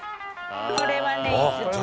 これはねいつもね。